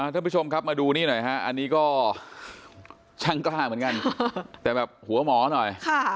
ท่านผู้ชมครับมาดูนี่หน่อยฮะอันนี้ก็ช่างกล้าเหมือนกันแต่แบบหัวหมอหน่อย